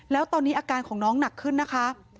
แล้วตอนนี้อาการของน้องหนักขึ้นนะคะ